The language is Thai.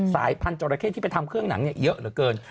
สายพันธราเข้ที่ไปทำเครื่องหนังเยอะเหลือเกิน